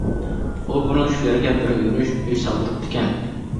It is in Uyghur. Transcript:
ئۇ بۇرۇن شۇ يەرگە بىر يۈرۈش ئۆي سالدۇرۇپتىكەن.